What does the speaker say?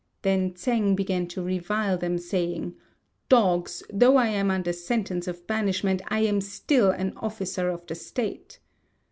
Then Tsêng began to revile them, saying, "Dogs! though I am under sentence of banishment, I am still an officer of the State."